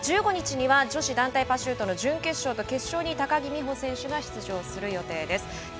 １５日には女子団体パシュートの準決勝と決勝に高木美帆選手が出場する予定です。